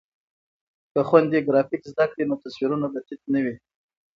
که خویندې ګرافیک زده کړي نو تصویرونه به تت نه وي.